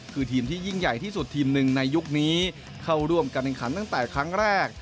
คือทีมที่ยิ่งใหญ่ที่สุดทีมหนึ่งในยุคนี้เข้าร่วมการแข่งขันตั้งแต่ครั้งแรก